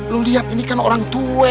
lu lihat ini kan orang tua